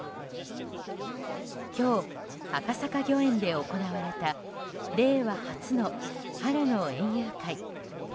今日、赤坂御苑で行われた令和初の春の園遊会。